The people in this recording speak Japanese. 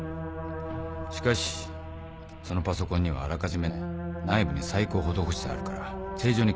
しかしそのパソコンにはあらかじめね内部に細工を施してあるから正常に起動することはない